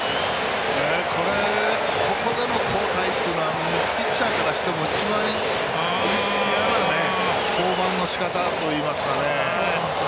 ここでの交代っていうのはピッチャーからしても一番嫌な降板のしかたといいますかね。